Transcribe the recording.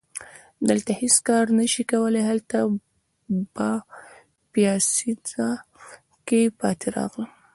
دلته هیڅ کار نه شي کولای، هلته په پیاسینزا کي پاتې راغلم.